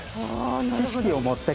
知識を持って帰る。